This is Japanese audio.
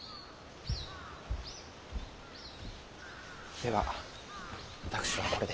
では私はこれで。